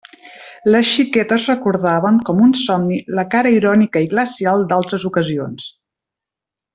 Les xiquetes recordaven com un somni la cara irònica i glacial d'altres ocasions.